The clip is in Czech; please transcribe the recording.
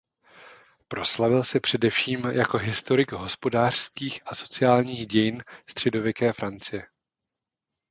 Proslavil se především jako historik hospodářských a sociálních dějin středověké Francie.